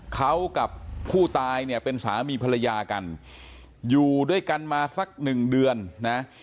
เขากับผู้ตายเนี่ยเป็นสามีภรรยากันอยู่ด้วยกันมาสักหนึ่งเดือนนะ